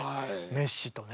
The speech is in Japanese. メッシとね。